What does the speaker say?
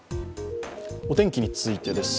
お天気についてです。